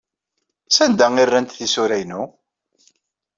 Sanda ay rrant tisura-inu?